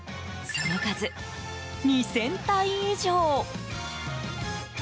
その数、２０００体以上。